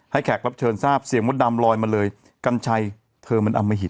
แขกรับเชิญทราบเสียงมดดำลอยมาเลยกัญชัยเธอมันอมหิต